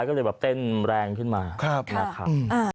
ก็เลยแบบเต้นแรงขึ้นมานะครับ